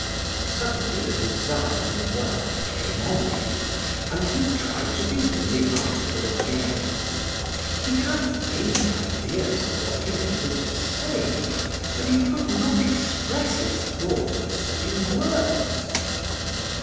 Suddenly the desire to work came on him, and he tried to begin the article again; he had vague ideas of what he wanted to say, but he could not express his thoughts in words.